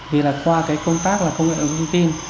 vì là qua cái công tác là công nghệ đồng minh tin